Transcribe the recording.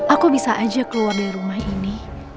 aku bisa aja keluar dari rumah ini